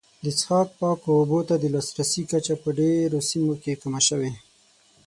د څښاک پاکو اوبو ته د لاسرسي کچه په ډېرو سیمو کې کمه شوې.